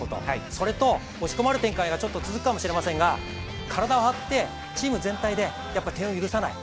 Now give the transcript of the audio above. それと、押し込まれる展開が続くかもしれませんが、体を張ってチーム全体で点を許さない。